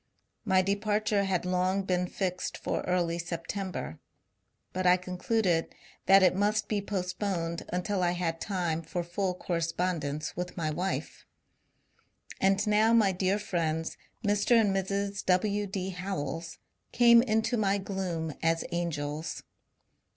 My departure had long been fixed for early September, but I concluded that it must be postponed until I had time for full correspondence with my wife. ALud now my dear friends, Mr. and Mrs. W. D. Howells, came into my gloom as angels.